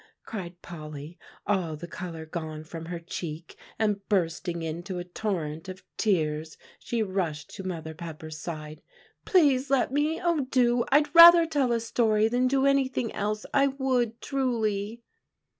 cried Polly, all the color gone from her cheek; and bursting into a torrent of tears she rushed to Mother Pepper's side, "please let me oh, do! I'd rather tell a story than do anything else; I would, truly."